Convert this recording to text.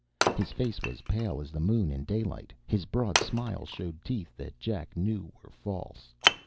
His face was pale as the moon in daylight. His broad smile showed teeth that Jack knew were false.